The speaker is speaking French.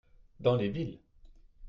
Dans les villes.